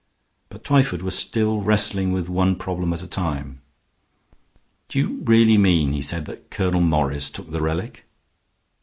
But Twyford was still wrestling with one problem at a time. "Do you really mean," he said, "that Colonel Morris took the relic?"